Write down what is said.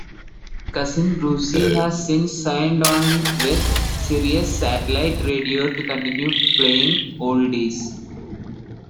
Cousin Brucie has since signed on with Sirius Satellite Radio to continue playing oldies.